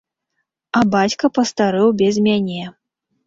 А бацька пастарэў без мяне.